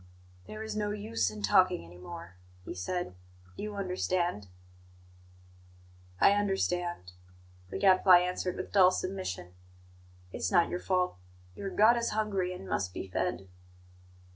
"There is no use in talking any more," he said. "You understand?" "I understand," the Gadfly answered, with dull submission. "It's not your fault. Your God is hungry, and must be fed."